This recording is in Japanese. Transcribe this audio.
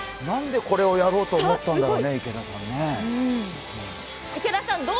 なんでこれをやろうと思ったんだろうね、池田さん。